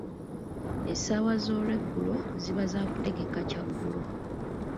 Essaawa z'olweggulo ziba za kutegeka kya ggulo.